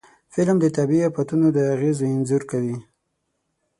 فلم د طبعي آفتونو د اغېزو انځور کوي